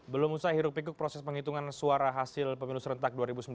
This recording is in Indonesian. belum usai hirup pikuk proses penghitungan suara hasil pemilu serentak dua ribu sembilan belas